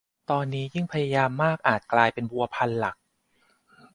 ตอนนี้ยิ่งพยายามมากอาจกลายเป็นวัวพันหลัก